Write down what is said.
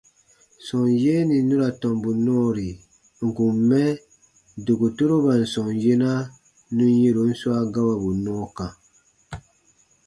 Sɔm yee nì nu ra tɔmbu nɔɔri ǹ kun mɛ dokotoroban sɔm yena nù yɛ̃ron swa gawabu nɔɔ kã.